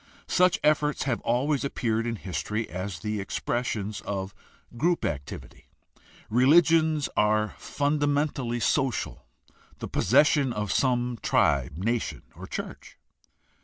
Such efforts have always appeared in history as the expressions of group activity. Religions are fundamentally social, the pos session of some tribe, nation, or church.